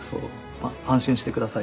まあ「安心して下さい」。